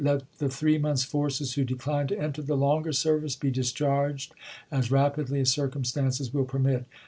Let the three months' forces who decline to enter the longer service be discharged as rapidly as circumstances will permit.